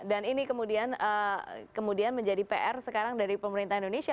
dan ini kemudian menjadi pr sekarang dari pemerintah indonesia